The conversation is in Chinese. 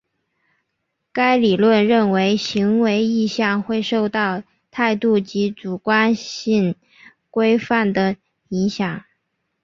该理论认为行为意向会受到态度及主观性规范的影响。